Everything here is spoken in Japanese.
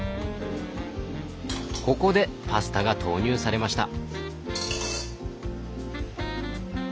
ここでパスタが投入されました。